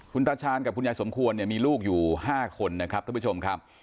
คุณตาชาญกับคุณยายสมควรเนี่ยมีลูกอยู่๕คนนะครับท่านผู้ชมครับ